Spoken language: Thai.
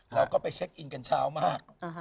เราก็ไปเช็คอินกันเช้ามา